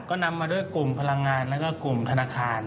ก็นำมาด้วยกลุ่มพลังงานแล้วก็กลุ่มธนาคาร